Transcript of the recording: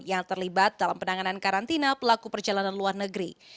yang terlibat dalam penanganan karantina pelaku perjalanan luar negeri